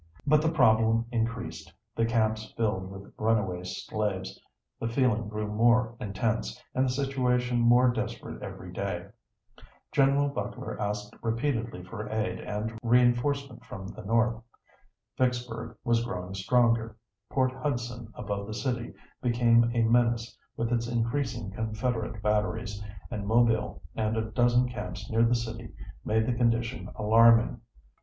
But the problem increased, the camps filled with runaway slaves, the feeling grew more intense, and the situation more desperate every day. Gen. Butler asked repeatedly for aid and reenforcement from the North. Vicksburg was growing stronger, Port Hudson above the city became a menace with its increasing Confederate batteries, and Mobile and a dozen camps near the city made the condition alarming.